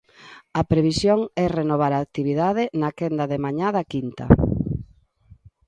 A previsión é renovar a actividade na quenda de mañá da quinta.